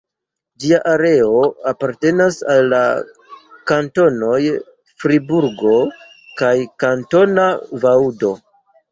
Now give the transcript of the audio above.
Ĝia areo apartenas al la kantonoj Friburgo kaj Kantona Vaŭdo.